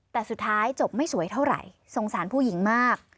แต่สุดท้ายจบไม่สวยเท่าไหร่สงสารผู้หญิงมาก